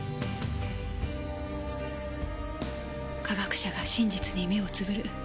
科学者が真実に目をつぶる。